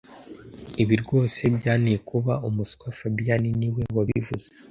Ibi rwose byanteye kuba umuswa fabien niwe wabivuze